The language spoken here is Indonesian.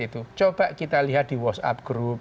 itu coba kita lihat di whatsapp group